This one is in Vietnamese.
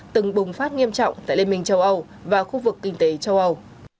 từng bùng phát nghiêm trọng tại liên minh châu âu và khu vực kinh tế châu âu